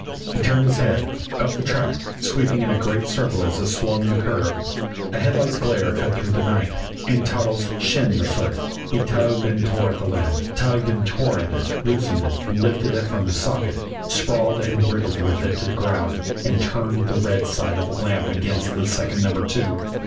_ He turned his head. Up the track, sweeping in a great circle as it swung the curve, a headlight's glare cut through the night and Toddles "shinned" the foot. He tugged and tore at the lamp, tugged and tore at it, loosened it, lifted it from its socket, sprawled and wriggled with it to the ground and turned the red side of the lamp against second Number Two.